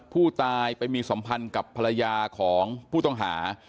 ผู้ตายไปมีสัมพันธ์กับภรรยาของผู้ต้องหา